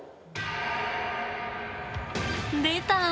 出た！